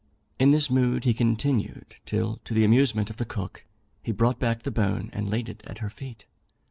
In this mood he continued, till, to the amusement of the cook, he brought back the bone and laid it at her feet.